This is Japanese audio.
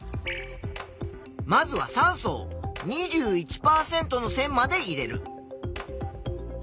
まずは酸素を２１％の線まで入れる。